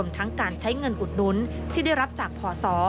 ทั้งการใช้เงินอุดหนุนที่ได้รับจากพศ